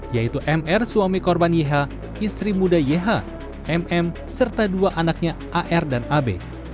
yaitu mr suami korban yeha istri muda yeha mm serta dua anaknya ar dan ab